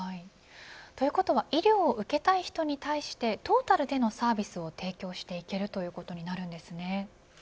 ということは医療を受けたい人に対してトータルでのサービスを提供していけるということになるんですね。